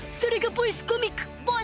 ボイスコミック！